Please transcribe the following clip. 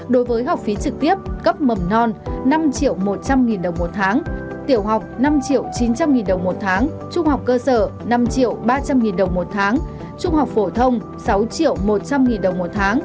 đối với học phí trực tiếp cấp mầm non năm một trăm linh đồng một tháng tiểu học năm chín trăm linh đồng một tháng trung học cơ sở năm ba trăm linh đồng một tháng trung học phổ thông sáu một trăm linh đồng một tháng